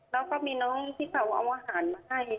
แล้วก็มีน้องที่เขาเอาอาหารมาให้